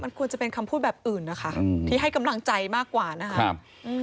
มันควรจะเป็นคำพูดแบบอื่นนะคะอืมที่ให้กำลังใจมากกว่านะครับ